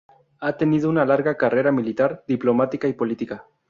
Ha tenido una larga carrera militar, diplomática y política.